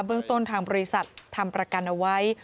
เรื่องต้นทางบริษัททำประกันเอาไว้